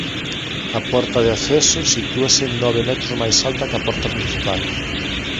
A porta de acceso sitúase nove metros máis alta que a porta principal.